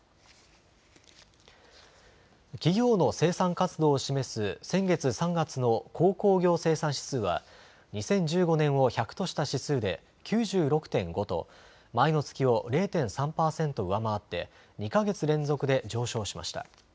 企業の生産活動を示す先月３月の鉱工業生産指数は２０１５年を１００とした指数で９６．５と前の月を０．３％上回って２か月連続で上昇しました。